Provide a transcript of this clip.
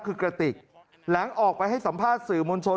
คือกระติกหลังออกไปให้สัมภาษณ์สื่อมวลชน